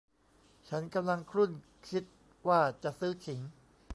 ฉันกำลังครุ่นคิดว่าจะซื้อขิง